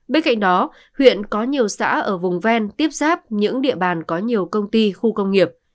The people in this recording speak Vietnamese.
bên cạnh đó huyện có nhiều xã ở vùng ven tiếp giáp những địa bàn có nhiều công ty khu công nghiệp